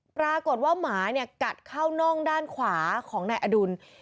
ปรากฏว่าหมาเนี่ยกัดเข้าน่องด้านขวาของนายอดุล